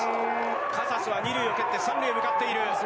カサスは２塁を蹴って３塁に向かっている。